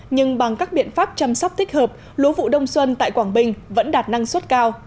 nhưng bằng các biện pháp chăm sóc thích hợp lúa vụ đông xuân tại quảng bình vẫn đạt năng suất cao